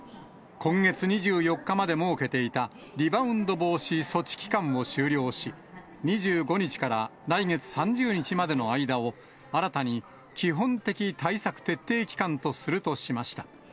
今月２４日まで設けていたリバウンド防止措置期間を終了し、２５日から来月３０日までの間を、新たに基本的対策徹底期間とするとしました。